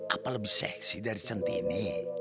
apa lebih seksi dari centini